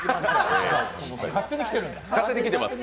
勝手に来てるんですか？